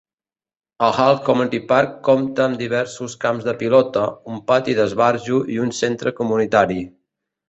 El Halls Community Park compta amb diversos camps de pilota, un pati d'esbarjo i un centre comunitari.